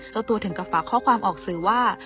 แล้วตัวถึงกระฟาข้อความออกสือว่า